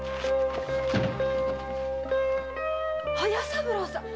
隼三郎さん！